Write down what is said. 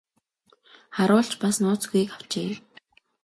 Харуул ч бас нууц үгийг авчээ.